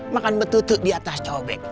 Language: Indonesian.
makan betutuk di atas cobek